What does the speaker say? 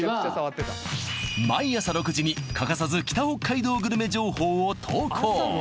毎朝６時に欠かさず北北海道グルメ情報を投稿